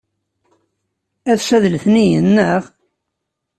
Ass-a d letniyen, naɣ?